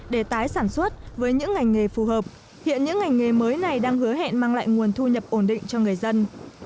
để tái sản xuất với những ngành nghề phù hợp hiện những ngành nghề mới này đang hứa hẹn mang lại nguồn thu nhập ổn định cho người dân